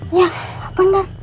hah ya bener